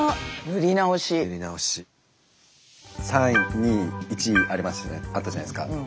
３位２位１位あったじゃないですか。